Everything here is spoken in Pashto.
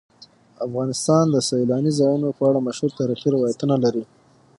افغانستان د سیلانی ځایونه په اړه مشهور تاریخی روایتونه لري.